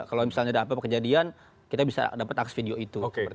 kalau misalnya ada apa kejadian kita bisa dapat akses video itu